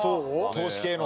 投資系の？